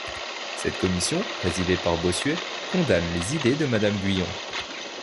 Cette commission, présidée par Bossuet, condamne les idées de Madame Guyon.